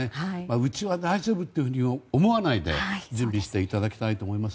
うちは大丈夫だと思わないで準備していただきたいとも思います。